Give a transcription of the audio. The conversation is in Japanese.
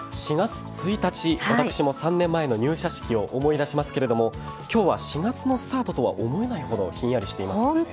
４月１日私も３年前の入社式を思い出しますが今日は４月のスタートとは思えないほどひんやりしていますね。